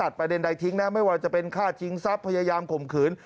ประเด็นใดทิ้งนะไม่ว่าจะเป็นฆ่าทิ้งทรัพย์พยายามข่มขืน